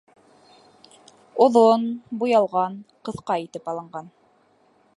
Оҙон, буялған, ҡыҫҡа итеп алынған.